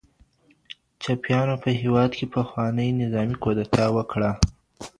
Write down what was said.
چپيانو په هېواد کي پخوانۍ نظامي کودتا وکړه.